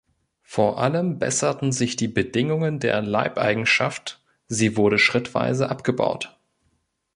Vor allem besserten sich die Bedingungen der Leibeigenschaft, sie wurde schrittweise abgebaut.